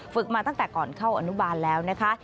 มาตั้งแต่ก่อนเข้าอนุบาลแล้วนะคะ